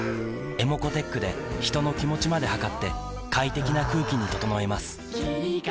ｅｍｏｃｏーｔｅｃｈで人の気持ちまで測って快適な空気に整えます三菱電機